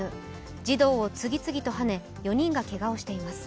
児童を次々とはね４人がけがをしています。